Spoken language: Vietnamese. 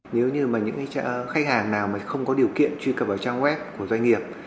nếu như mà những khách hàng nào mà không có điều kiện truy cập vào trang web của doanh nghiệp